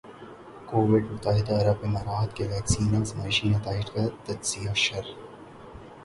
Covid متحدہ عرب امارات کے ویکسین آزمائشی نتائج کا تجزیہ شر